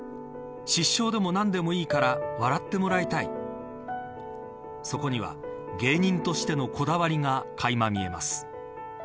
失笑でも何でもいいから笑ってもらいたいそこには芸人としてのこだわりが垣間見えます。